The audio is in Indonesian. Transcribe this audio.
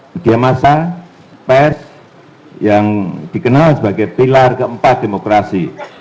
media massa pers yang dikenal sebagai pilar keempat demokrasi